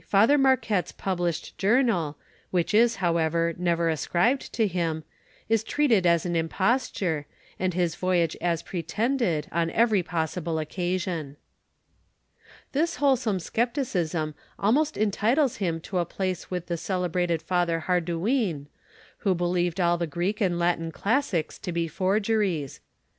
Father Marquette's published Journal, which is, however, never ascribed to him, is treated as an imposture, and his voyage as pretended, on every ]>os8ible occasion. This wholesale skepticism almost entitles him to a place with the celebrated Father Ilardouin, who believed all ho Greek and Latin lassies to be forgeries.